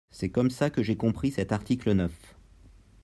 C’est comme ça que j’ai compris cet article neuf.